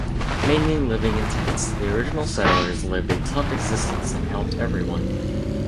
Mainly living in tents, the original settlers lived a tough existence and helped everyone.